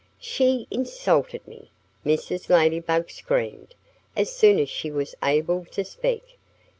"She insulted me!" Mrs. Ladybug screamed, as soon as she was able to speak.